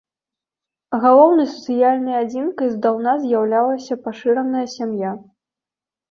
Галоўнай сацыяльнай адзінкай здаўна з'яўлялася пашыраная сям'я.